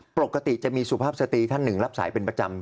ปกติจะมีสุภาพสตรีท่านหนึ่งรับสายเป็นประจำ